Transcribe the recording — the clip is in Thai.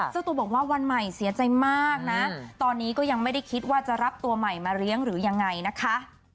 เจ้าตัวบอกว่าวันใหม่เสียใจมากนะตอนนี้ก็ยังไม่ได้คิดว่าจะรับตัวใหม่มาเลี้ยงหรือยังไงนะคะ